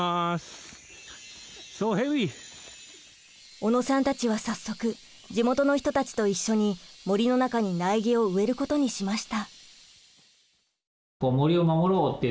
小野さんたちは早速地元の人たちと一緒に森の中に苗木を植えることにしました。